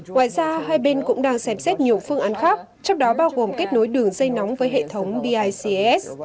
ngoài ra hai bên cũng đang xem xét nhiều phương án khác trong đó bao gồm kết nối đường dây nóng với hệ thống bics